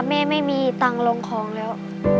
แม่ไม่มีตังค์ลงของแล้ว